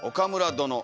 殿。